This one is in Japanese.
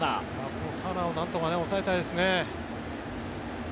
このターナーをなんとか抑えたいですね。